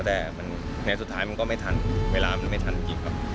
แต่สุดท้ายมันก็ไม่ทันเวลามันไม่ทันอีก